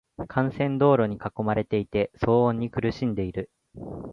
幹線道路に囲まれていて、騒音に苦しんでいる。